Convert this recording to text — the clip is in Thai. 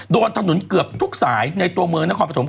โดนถนนเกือบทุกสายในตัวเมืองนครปฐม